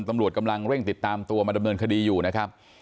ตำรวจกำลังเร่งติดตามตัวมาดำเนินคดีอยู่นะครับ